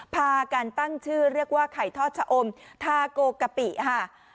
พากันตั้งชื่อเรียกว่าไข่ทอดชะอมทาโกกะปิค่ะ